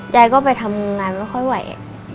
ยายก็ไปทำงานไม่ค่อยไหว